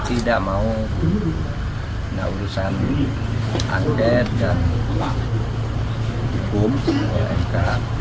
tidak mau menawurusan andet dan hukum oleh mkh